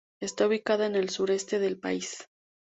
Está ubicada en el sureste del país.